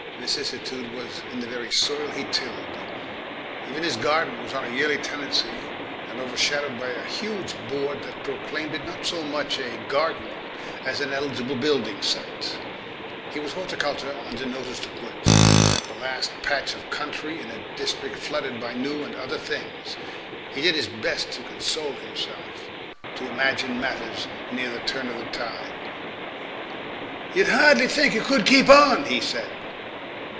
Vicissitude was in the very soil he tilled; even his garden was upon a yearly tenancy, and overshadowed by a huge board that proclaimed it not so much a garden as an eligible building site. He was horticulture under notice to quit, the last patch of country in a district flooded by new and (other) things. He did his best to console himself, to imagine matters near the turn of the tide. "You'd hardly think it could keep on," he said.